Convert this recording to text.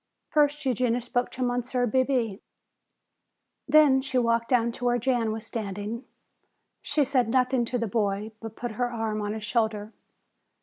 First Eugenia spoke to Monsieur Bebé. Then she walked down to where Jan was standing. She said nothing to the boy, but put her arm on his shoulder.